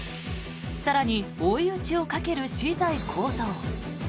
更に追い打ちをかける資材高騰。